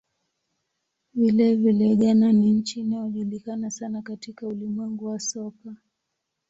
Vilevile, Ghana ni nchi inayojulikana sana katika ulimwengu wa soka.